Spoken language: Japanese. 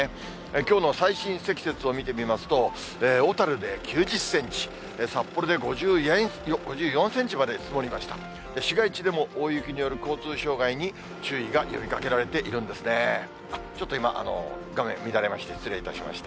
きょうの最深積雪を見てみますと、小樽で９０センチ、札幌で５４センチまで積もりました。